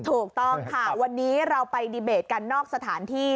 ถูกต้องค่ะวันนี้เราไปดีเบตกันนอกสถานที่